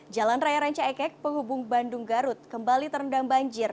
jalan raya rancayakek penghubung bandung garut kembali terendam banjir